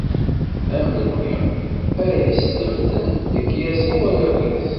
Ar melmi ara yeslemden lekyasa i warraw-is?